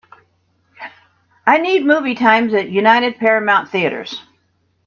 I need movie times at United Paramount Theatres